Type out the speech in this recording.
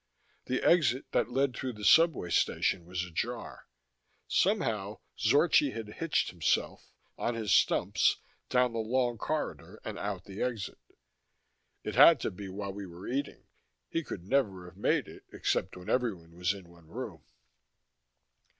The exit that led through the subway station was ajar. Somehow Zorchi had hitched himself, on his stumps, down the long corridor and out the exit. It had to be while we were eating; he could never have made it except when everyone was in one room.